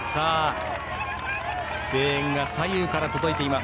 声援が左右から届いています。